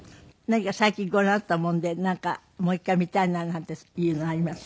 何か最近ご覧になったものでもう一回見たいななんていうのあります？